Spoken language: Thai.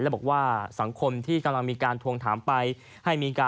และว่าสังคมที่กำลังมาทรงถาม